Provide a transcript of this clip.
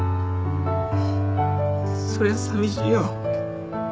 そりゃさみしいよ。